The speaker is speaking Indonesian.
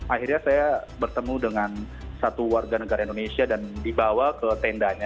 akhirnya saya bertemu dengan satu warga negara indonesia dan dibawa ke tendanya